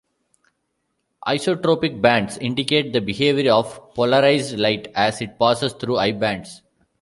Isotropic bands indicate the behavior of polarized light as it passes through I bands.